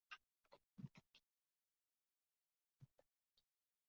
唐朝贞观十七年。